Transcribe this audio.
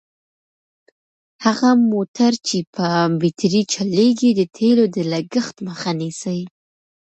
هغه موټر چې په بېټرۍ چلیږي د تېلو د لګښت مخه نیسي.